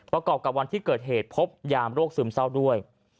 ประกอบกับวันที่เกิดเหตุพบยามโรคซึมเศร้าด้วย